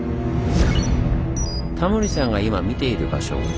タモリさんが今見ている場所